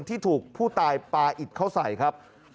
ที่ถูกผู้ตายปลาอิดเข้าใส่ครับ